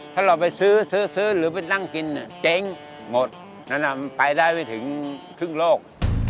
ถ้าเราไปซื้อซื้อหรือไปนั่งกินเจ๊งหมดนั้นมันไปได้ไม่ถึงครึ่งโลก